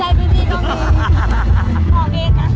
ใช่พี่ก็มี